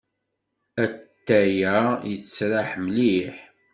Atay-a yettraḥ mliḥ.